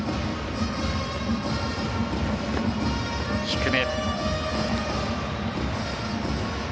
低め。